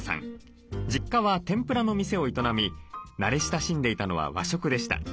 実家は天ぷらの店を営み慣れ親しんでいたのは和食でした。